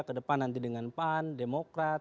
kedepan nanti dengan pan demokrat